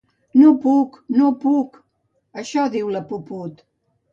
—No puc, no puc! —Això diu la puput!